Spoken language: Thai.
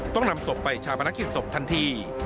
ต้องนำศพไปชาวบนักศิษย์ศพทันที